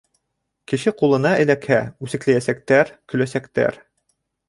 Кеше ҡулына эләкһә, үсекләйәсәктәр, көләсәктәр.